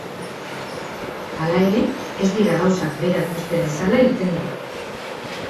Hala ere, ez dira gauzak berak uste bezala irtengo.